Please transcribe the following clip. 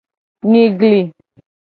Nyigli.